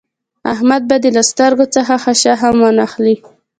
احمد به دې له سترګو څخه خاشه هم وانخلي.